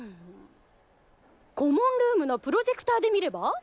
コモンルームのプロジェクタで見れば？